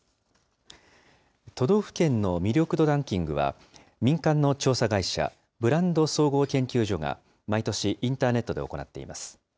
都道府県の魅力度ランキングは、民間の調査会社、ブランド総合研究所が、毎年インターネットで行っています。